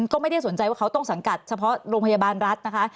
ก็ไม่ได้สนใจว่าเขาต้องสังกัดเฉพาะโรงพยาบาลรัฐนะคะ